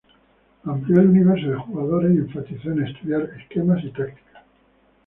Amplio el universo de jugadores y enfatizó en estudiar esquemas y tácticas.